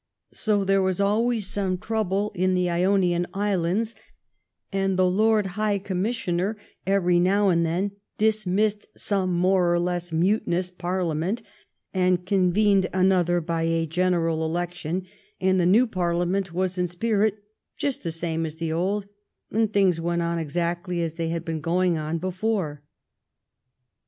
So there was always some trouble in the Ionian Islands, and THE STORY OF GLADSTONE'S LIFE the Lord High ComniissioiKr every now and then dismissed some more or less iiuitinous Parliament and convened another by a general election, and the new Parliament was in spirit just the same as the old, and things went on exactly as they had been going before.